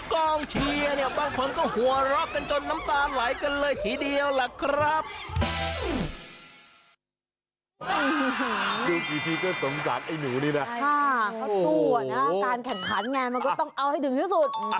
กองเชียร์เนี่ยบางคนก็หัวเราะกันจนน้ำตาไหลกันเลยทีเดียวล่ะครับ